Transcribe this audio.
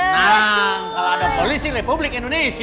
nah kalau ada polisi republik indonesia